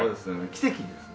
奇跡ですね。